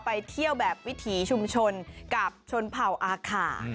ไปเที่ยวแบบวิถีชุมชนกับชนเผ่าอาขา